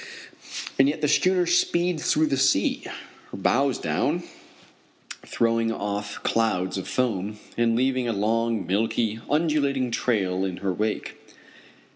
And yet the schooner speeds through the sea, her bows down, throwing off clouds of foam, and leaving a long, milky, undulating trail in her wake.